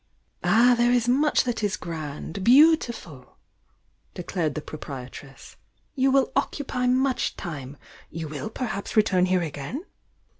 "Ah, there is much that is grand— beautiful!" declared the proprietress. "You will occupy much time! You will perhaps return here again?'